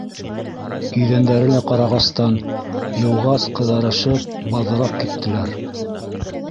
Иҙәндәре лә ҡарағастан, йыуғас, ҡыҙарышып, баҙырап киттеләр.